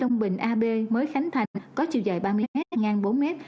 long bình a b mới khánh thành có chiều dài ba mươi m ngang bốn m